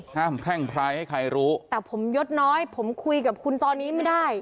แพร่งพลายให้ใครรู้แต่ผมยดน้อยผมคุยกับคุณตอนนี้ไม่ได้